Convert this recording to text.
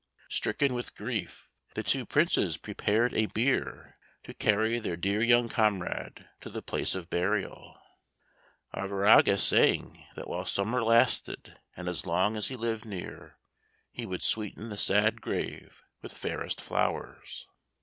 Stricken with grief, the two Princes prepared a bier to carry their dear young comrade to the place of burial, Arviragus saying that while summer lasted, and as long as he lived near, he would sweeten the sad grave with fairest flowers.